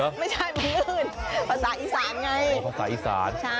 ไม่ใช่มันลื่นภาษาอีสานไงภาษาอีสานใช่